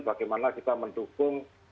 bagaimana kita mendukung